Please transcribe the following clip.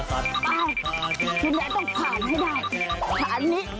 ตาม่าถุงแห่งต้องผ่านให้ได้เฐานี้